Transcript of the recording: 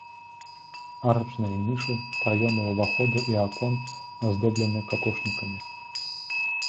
Арачныя нішы, праёмы ўваходу і акон аздоблены какошнікамі.